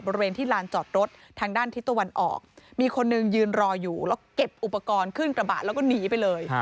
บริเวณที่ลานจอดรถทางด้านทิศตะวันออกมีคนหนึ่งยืนรออยู่แล้วเก็บอุปกรณ์ขึ้นกระบะแล้วก็หนีไปเลย